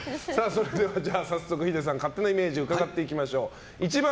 それではヒデさんの勝手なイメージ伺っていきましょう。